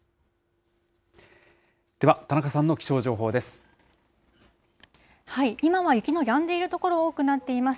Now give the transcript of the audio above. では田中さんの気象情報です。